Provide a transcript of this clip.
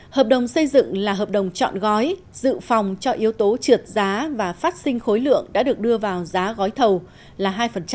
hợp đồng xây dựng là hợp đồng chọn gói dự phòng cho yếu tố trượt giá và phát sinh khối lượng đã được đưa vào giá gói thầu là hai